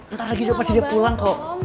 ntar lagi dia pasti dia pulang kok